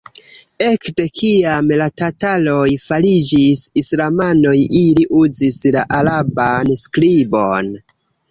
Ekde kiam la tataroj fariĝis islamanoj ili uzis la araban skribon.